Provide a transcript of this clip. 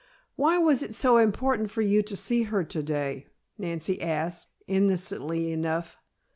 "Why was it so important for you to see her to day?" Nancy asked, innocently enough.